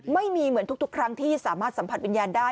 ไม่มีเหมือนทุกครั้งที่สามารถสัมผัสวิญญาณได้